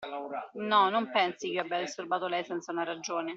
No, non pensi ch'io abbia disturbato lei senza una ragione.